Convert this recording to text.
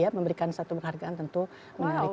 memberikan satu penghargaan tentu menarik